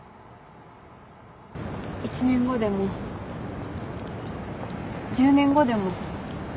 １年後でも１０年後でも。